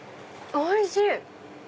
おいしい！